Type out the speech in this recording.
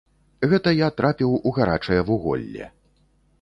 Гэта я трапіў у гарачае вуголле.